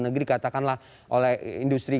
negeri katakanlah oleh industri